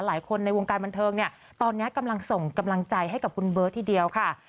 หลายคนในวงการบันเทิงตอนนี้กำลังส่งกำลังใจให้กับคุณเบิศที่เดียวค่ะ